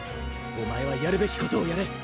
お前はやるべきことをやれ！